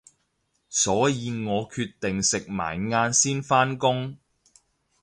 所以我決定食埋晏先返工